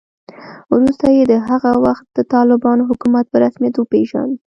وروسته یې د هغه وخت د طالبانو حکومت په رسمیت وپېژاند